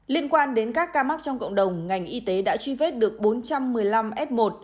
liên quan đến các ca mắc trong cộng đồng ngành y tế đã truy vết được bốn trăm một mươi năm f một